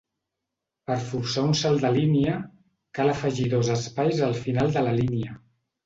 Per forçar un salt de línia cal afegir dos espais al final de la línia.